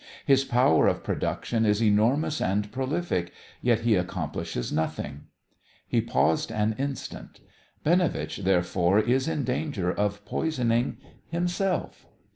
His power of production is enormous and prolific; yet he accomplishes nothing." He paused an instant. "Binovitch, therefore, is in danger of poisoning himself."